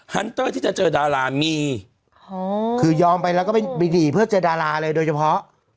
ันเตอร์ที่จะเจอดารามีคือยอมไปแล้วก็ไปบีดีเพื่อเจอดาราเลยโดยเฉพาะ